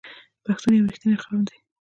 پښتون یو رښتینی قوم دی.